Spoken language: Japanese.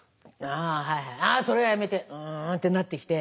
「ああそれはやめて！」ってなってきて。